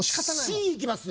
Ｃいきます。